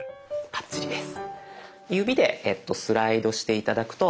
あバッチリです。